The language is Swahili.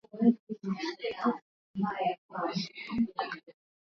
taratibu za kufuata kupika pilau lenye viazi lishe